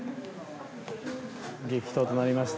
激闘となりました。